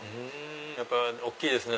やっぱ大きいですね